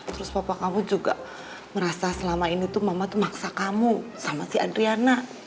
terus papa kamu juga merasa selama ini tuh mama tuh maksa kamu sama si adriana